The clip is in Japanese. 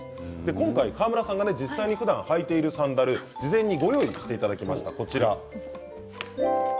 今回、川村さんが実際にふだん履いているサンダル事前にご用意いただきました。